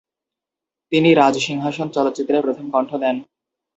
তিনি "রাজ সিংহাসন" চলচ্চিত্রে প্রথম কণ্ঠ দেন।